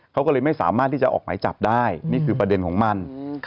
เขาก็เลยไม่สามารถที่จะออกหมายจับได้นี่คือประเด็นของมัน